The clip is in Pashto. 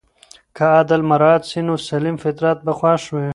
که عدل مراعت سي نو سلیم فطرت به خوښ وي.